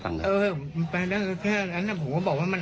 แค่มาอย่างงั้นนะก็บอกว่ามันอันตราย